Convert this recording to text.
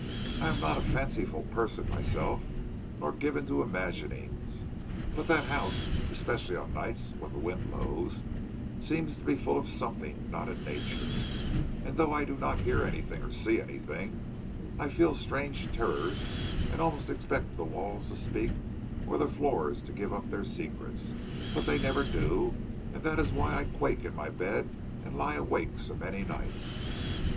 I am not a fanciful person myself, nor given to imaginings, but that house, especially on nights when the wind blows, seems to be full of something not in nature; and though I do not hear anything or see anything, I feel strange terrors and almost expect the walls to speak or the floors to give up their secrets, but they never do; and that is why I quake in my bed and lie awake so many nights."